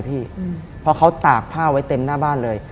เพราะเขาตากผ้าไว้เต็มหน้าบ้านเลย